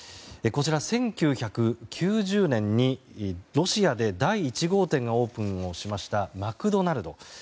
こちら、１９９０年にロシアで第１号店がオープンしたマクドナルド。